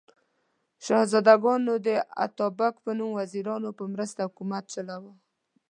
شهزادګانو د اتابک په نوم وزیرانو په مرسته حکومت چلاوه.